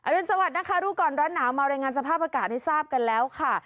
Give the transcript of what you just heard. รุนสวัสดินะคะรู้ก่อนร้อนหนาวมารายงานสภาพอากาศให้ทราบกันแล้วค่ะ